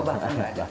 oh bahkan nggak ada